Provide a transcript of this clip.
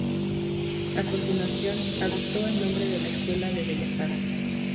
A continuación, adoptó el nombre de la Escuela de Bellas Artes.